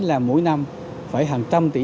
là mỗi năm phải hàng trăm tỷ